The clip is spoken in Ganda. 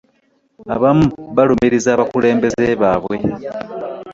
Abamu balumiriza bakulembeze baabwe.